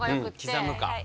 刻むか。